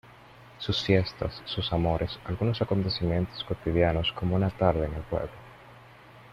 Sus fiestas, sus amores, algunos acontecimientos cotidianos como una tarde en el pueblo.